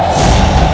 aku sudah menang